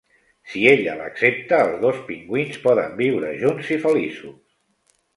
Si ella l'accepta, els dos pingüins poden viure junts i feliços.